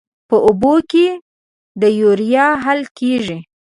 په اوبو کې د یوریا حل کیږي.